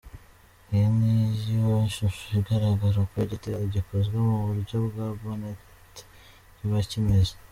Iyi niyo shusho igaraga uko igitero gikozwe mu buryo bwa'Botnet' kiba kimeze.